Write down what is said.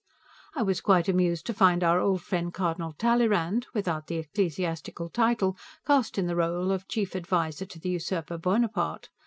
I was quite amused to find our old friend Cardinal Talleyrand without the ecclesiastical title cast in the role of chief adviser to the usurper, Bonaparte.